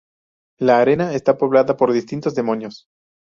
La arena está poblada por distintos demonios.